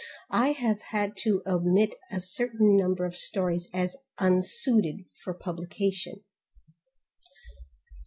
I have had to omit a certain number of stories as unsuited for publication.